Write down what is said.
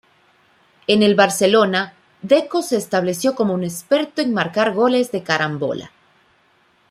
En el Barcelona, Deco se estableció como un experto en marcar goles de carambola.